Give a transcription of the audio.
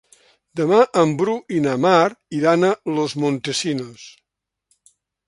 Demà en Bru i na Mar iran a Los Montesinos.